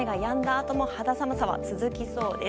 あとも肌寒さは続きそうです。